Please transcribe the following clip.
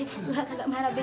nggak marah be